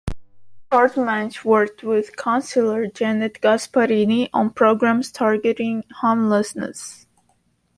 Courtemanche worked with councillor Janet Gasparini on programs targeting homelessness.